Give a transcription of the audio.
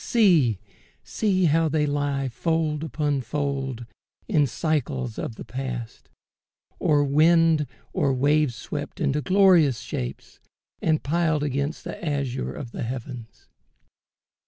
see how they lie Fold upon fold, in cycles of the past, Or wind or wave swept into glorious shapes, And piled against the azure of the heavens.